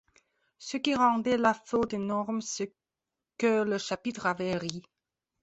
Ce qui rendait la faute énorme, c’est que le chapitre avait ri.